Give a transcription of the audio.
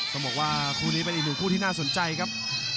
ต้องบอกว่าคู่นี้เป็นอีกหนึ่งคู่ที่น่าสนใจครับ